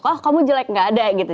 oh kamu jelek gak ada gitu